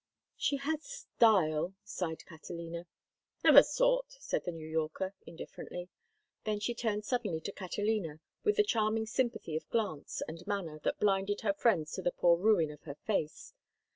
"She has style," sighed Catalina. "Of a sort," said the New Yorker, indifferently. Then she turned suddenly to Catalina with the charming sympathy of glance and manner that blinded her friends to the poor ruin of her face.